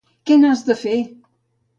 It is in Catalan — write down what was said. Què n'has de fer!